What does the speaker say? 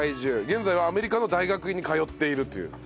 現在はアメリカの大学院に通っているという。